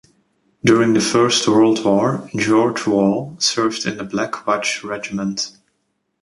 During the First World War George Wall served in the Black Watch Regiment.